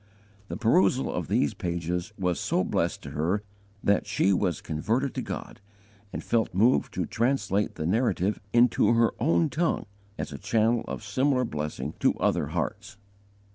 The perusal of these pages was so blest to her that she was converted to God, and felt moved to translate the Narrative into her own tongue as a channel of similar blessing to other hearts.